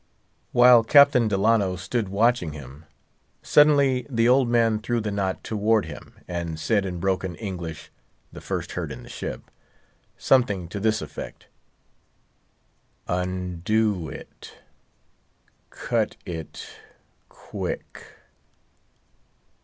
While Captain Delano stood watching him, suddenly the old man threw the knot towards him, saying in broken English—the first heard in the ship—something to this effect: "Undo it, cut it, quick."